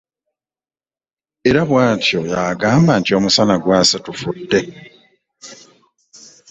Era bw’atyo y’agamba nti omusana gwase tufudde.